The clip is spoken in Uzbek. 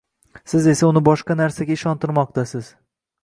siz esa uni boshqa narsaga ishontirmoqdasiz.